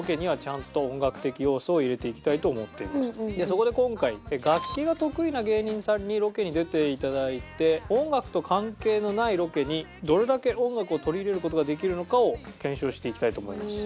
そこで今回楽器が得意な芸人さんにロケに出て頂いて音楽と関係のないロケにどれだけ音楽を取り入れる事ができるのかを検証していきたいと思います。